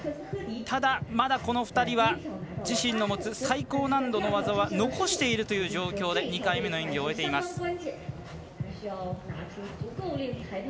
ただ、まだこの２人は自身の持つ最高難度の技は残しているという状況で２回目の演技を終えています。